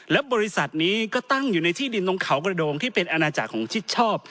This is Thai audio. และบริษัทนี้ก็ตั้งอยู่ในที่ดินตรงเขากระโดงที่เป็นอาณาจักรของชิดชอบ